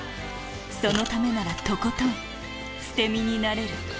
「そのためならとことん捨て身になれる」